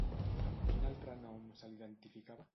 Amb quin altre nom se l'identificava?